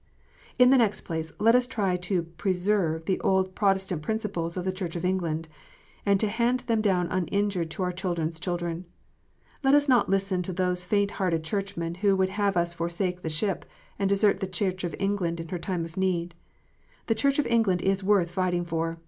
(3) In the next place, let us try to preserve the Old Protest ant principles of the Church of England, and to hand them down uninjured to our children s children. Let us not listen to those faint hearted Churchmen who would have us forsake the ship, and desert the Church of England in her time of need. The Church of England is worth fighting for.